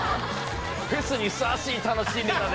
フェスにふさわしい楽しいネタで。